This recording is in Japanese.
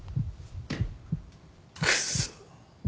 クソ。